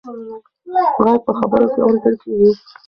غږ په خبرو کې اورېدل کېږي.